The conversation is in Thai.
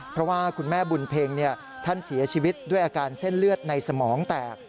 เพราะว่าคุณแม่บุญเพ็งท่านเสียชีวิตด้วยอาการเส้นเลือดในสมองแตก